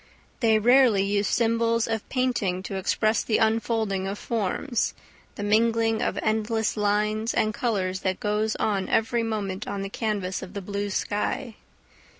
They rarely use symbols of painting to express the unfolding of forms, the mingling of endless lines and colours that goes on every moment on the canvas of the blue sky.